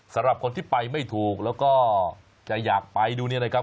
สำหรับคนที่ไปไม่ถูกแล้วก็จะอยากไปดูเนี่ยนะครับ